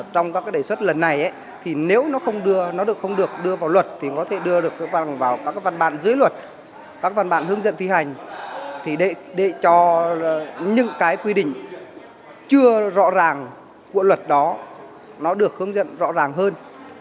trong các cái đề xuất lần này thì nếu nó không được đưa vào luật thì nó có thể đưa vào các văn bản dưới luật các văn bản hướng dẫn thi hành để cho những cái quy định chưa rõ ràng của luật đó nó được hướng dẫn rõ ràng hơn